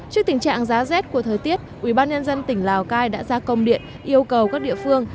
trước tình trạng giá rét của thời tiết ubnd tỉnh lào cai đã ra công điện yêu cầu các địa phương